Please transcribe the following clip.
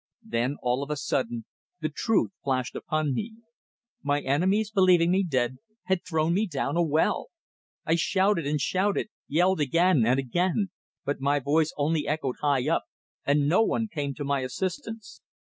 Then all of a sudden the truth flashed upon me. My enemies, believing me dead, had thrown me down a well! I shouted and shouted, yelled again and again. But my voice only echoed high up, and no one came to my assistance.